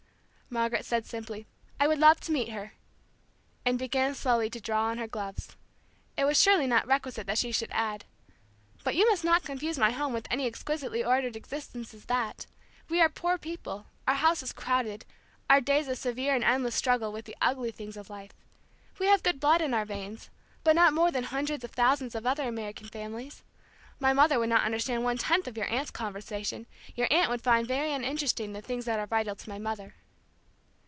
Margaret said simply, "I would love to meet her," and began slowly to draw on her gloves. It surely was not requisite that she should add, "But you must not confuse my home with any such exquisitely ordered existence as that. We are poor people, our house is crowded, our days a severe and endless struggle with the ugly things of life. We have good blood in our veins, but not more than hundreds of thousands of other American families. My mother would not understand one tenth of your aunt's conversation; your aunt would find very uninteresting the things that are vital to my mother."